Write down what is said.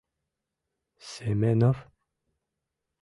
Семенов?..